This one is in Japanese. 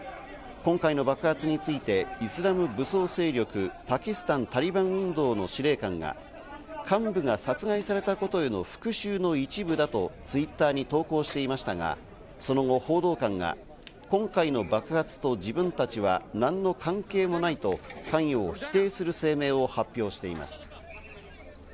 今回の爆発についてイスラム武装勢力「パキスタン・タリバン運動」の司令官が幹部が殺害されたことへの復しゅうの一部だとＴｗｉｔｔｅｒに投稿していましたが、その後、報道官が今回の爆発と自分たちはなんの関係もないと関与を否定する声明を発表しています。